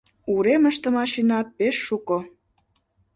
— Уремыште машина пеш шуко.